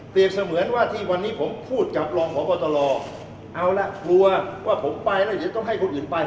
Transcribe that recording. เสมือนว่าที่วันนี้ผมพูดกับรองพบตลเอาละกลัวว่าผมไปแล้วเดี๋ยวต้องให้คนอื่นไป